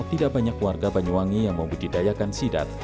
tidak banyak warga banyuwangi yang membudidayakan sidap